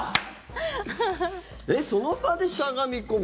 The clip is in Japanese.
その場でしゃがみ込む。